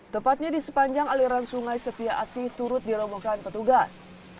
tepatnya di sepanjang aliran sungai setia asih turut dirobohkan petugas